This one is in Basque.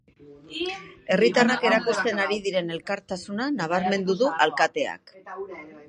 Herritarrak erakusten ari diren elkartasuna nabarmendu du alkateak.